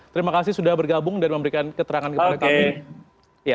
terima kasih sudah bergabung dan memberikan keterangan kepada kami